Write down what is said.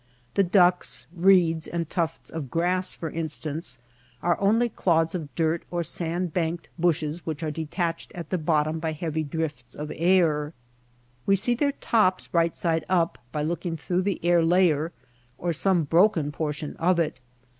ILLUSIONS 125 The ducks, reeds, and tufts of grass, for instance, are only clods of dirt or sand banked bushes which are detached at the bottom by heavy drifts of air. We see their tops right side up by look ing through the air layer or some broken por tion of it.